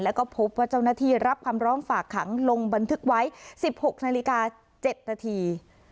แล้วก็พบว่าเจ้าหน้าที่รับคำร้องฝากขังลงบันทึกไว้๑๖นาฬิกา๗นาที